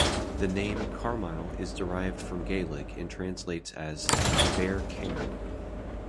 The name Carmyle is derived from Gaelic and translates as "the bare cairn".